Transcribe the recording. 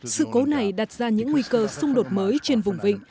sự cố này đặt ra những nguy cơ xung đột mới trên vùng vịnh